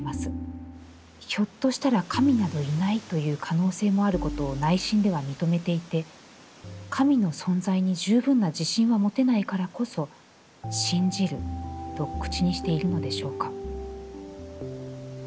ひょっとしたら神などいないという可能性もあることを内心では認めていて、神の存在に十分な自信は持てないからこそ、『信じる』と口にしているのでしょうか」。